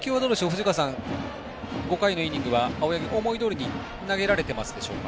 藤川さん、５回の投球青柳、思いどおりに投げられていますでしょうか。